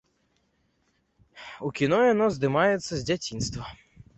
У кіно яна здымаецца з дзяцінства.